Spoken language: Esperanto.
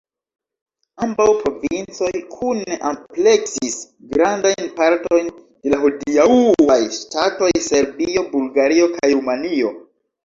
Ambaŭ provincoj kune ampleksis grandajn partojn de la hodiaŭaj ŝtatoj Serbio, Bulgario kaj Rumanio.